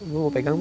bu mau pegang bu